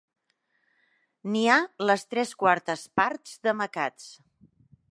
N'hi ha les tres quartes parts de macats.